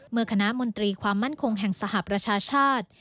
คณะมนตรีความมั่นคงแห่งสหประชาชาติ